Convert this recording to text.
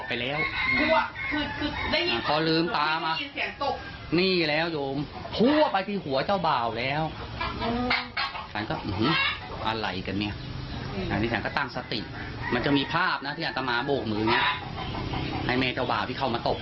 เป็นสัญญาณมือว่าเดี๋ยวถ้าจะมีอะไรให้ไปคุยกันข้างนอก